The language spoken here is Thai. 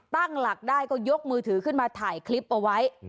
ตั้งหลักได้ก็ยกมือถือขึ้นมาถ่ายคลิปเอาไว้